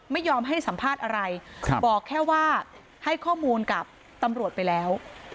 ไม่ยอมให้สัมภาษณ์อะไรบอกแค่ว่าให้ข้อมูลกับตำรวจไปแล้ว